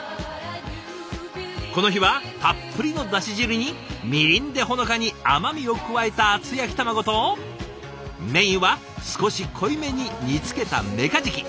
この日はたっぷりのだし汁にみりんでほのかに甘みを加えた厚焼き卵とメインは少し濃いめに煮つけたメカジキ。